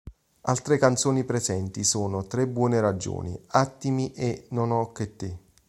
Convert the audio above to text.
Altre canzoni presenti sono: "Tre buone ragioni", "Attimi" e "Non ho che te".